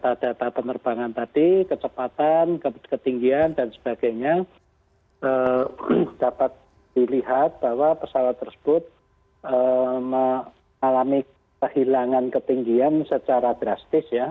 data data penerbangan tadi kecepatan ketinggian dan sebagainya dapat dilihat bahwa pesawat tersebut mengalami kehilangan ketinggian secara drastis ya